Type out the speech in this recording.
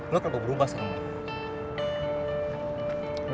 lo kagak berubah sama dia